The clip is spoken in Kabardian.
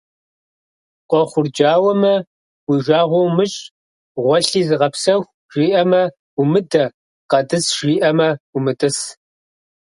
Къохъурджауэмэ, уи жагъуэ умыщӏ, гъуэлъи зыгъэпсэху жиӏэмэ – умыдэ, къэтӏыс жиӏэмэ – умытӏыс.